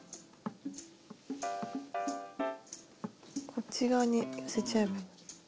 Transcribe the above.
こっち側に寄せちゃえば。